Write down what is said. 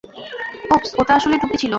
ওপস, ওটা আসলে টুপি ছিল।